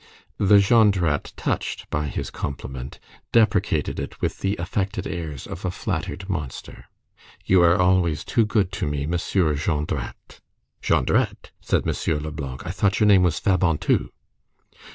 The Jondrette, touched by his compliment, deprecated it with the affected airs of a flattered monster. "You are always too good to me, Monsieur Jondrette!" "Jondrette!" said M. Leblanc, "I thought your name was Fabantou?"